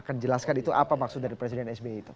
akan dijelaskan itu apa maksud dari presiden sby itu